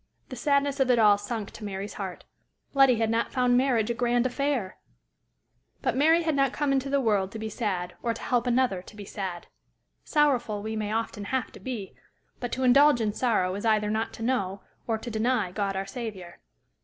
The sadness of it all sunk to Mary's heart: Letty had not found marriage a grand affair! But Mary had not come into the world to be sad or to help another to be sad. Sorrowful we may often have to be, but to indulge in sorrow is either not to know or to deny God our Saviour.